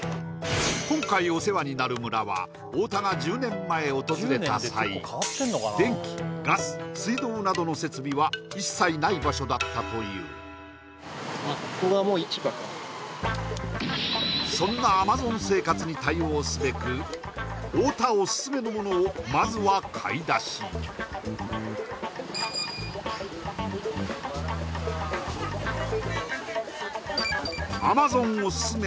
今回お世話になる村は太田が１０年前訪れた際電気・ガス・水道などの設備は一切ない場所だったというそんなアマゾン生活に対応すべく太田おすすめのものをまずは買い出しアマゾンおすすめ